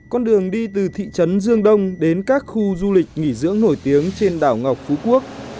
con đường đi từ thị trấn dương đông đến các khu du lịch nghỉ dưỡng nổi tiếng trên đảo ngọc phú quốc